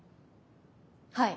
はい。